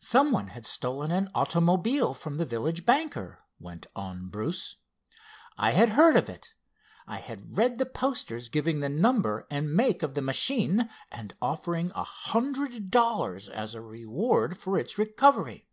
"Some one had stolen an automobile from the village banker," went on Bruce. "I had heard of it. I had read the posters giving the number and make of the machine, and offering a hundred dollars as a reward for its recovery.